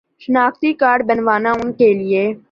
شناختی کارڈ بنوانا ان کے لیے